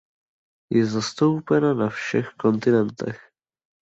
Je zastoupena na všech kontinentech.